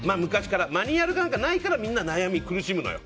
マニュアルなんかないからみんな悩み、苦しむのよ。